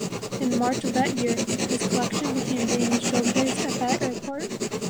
In March of that year, his collection began being showcased at that airport.